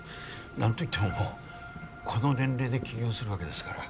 何と言ってももうこの年齢で起業するわけですから